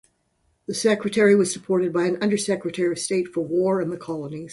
The Secretary was supported by an Under-Secretary of State for War and the Colonies.